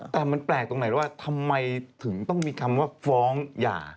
แต่มันแปลกตรงไหนว่าทำไมถึงต้องมีคำว่าฟ้องหย่า